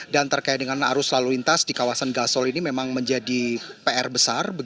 dan terkait dengan arus lalu lintas di kawasan gasol ini memang menjadi pr besar